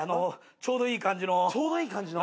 ちょうどいい感じの？